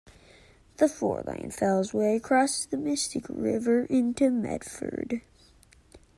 The four-lane Fellsway crosses the Mystic River into Medford.